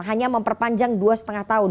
hanya memperpanjang dua lima tahun